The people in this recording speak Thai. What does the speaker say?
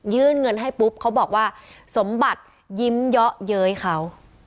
เงินให้ปุ๊บเขาบอกว่าสมบัติยิ้มเยาะเย้ยเขา